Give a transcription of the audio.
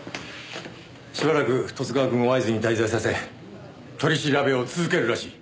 しばらく十津川君を会津に滞在させ取り調べを続けるらしい。